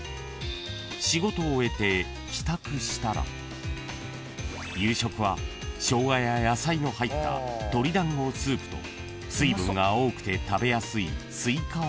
［仕事を終えて帰宅したら夕食はショウガや野菜の入った鶏団子スープと水分が多くて食べやすいスイカをデザートに］